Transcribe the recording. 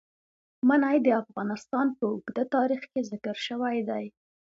منی د افغانستان په اوږده تاریخ کې ذکر شوی دی.